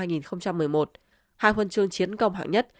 hai huân chương chiến công hạng nhất